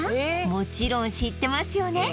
もちろん知ってますよね？